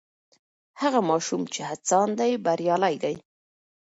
هغه ماشوم چې هڅاند دی بریالی دی.